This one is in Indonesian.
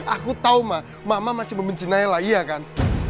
aku tau ma mama masih membenci nailah iya kan